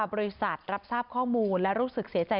รับทราบข้อมูลและรู้สึกเสียใจ